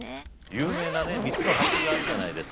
有名なね３つの俳句があるじゃないですか。